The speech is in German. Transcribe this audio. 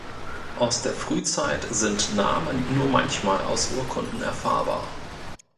Aus der Frühzeit sind Namen nur manchmal aus Urkunden erfahrbar.